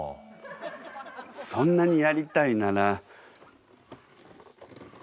そんなにやりたいなら。